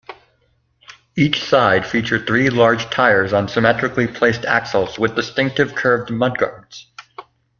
Each side featured three large tires on symmetrically placed axles, with distinctive curved mudguards.